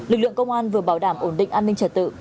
lực lượng công an vừa bảo đảm ổn định an ninh trật tự